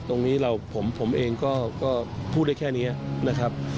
ตรงนี้ผมเองก็พูดได้แค่นี้นะครับ